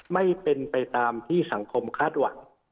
ไม่เป็นไปตามที่สังคมคาดหวัง